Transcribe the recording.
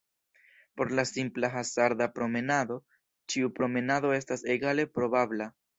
Por la simpla hazarda-promenado, ĉiu promenado estas egale probabla.